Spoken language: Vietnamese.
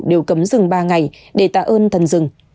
đều cấm rừng ba ngày để tạ ơn thần rừng